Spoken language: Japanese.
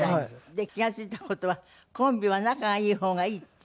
で気が付いた事はコンビは仲がいい方がいいって。